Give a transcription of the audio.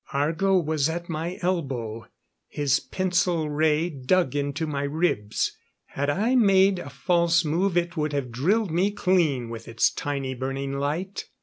Argo was at my elbow. His pencil ray dug into my ribs. Had I made a false move it would have drilled me clean with its tiny burning light.